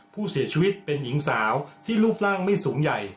ผู้เสียชีวิตเป็นหญิงสาวที่รูปร่างไม่สูงใหญ่